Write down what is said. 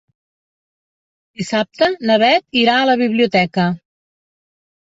Dissabte na Beth irà a la biblioteca.